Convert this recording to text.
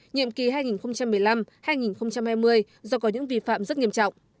nhiệm kỳ hai nghìn một mươi năm hai nghìn hai mươi do có những vi phạm rất nghiêm trọng